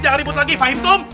jangan ribut lagi fine tum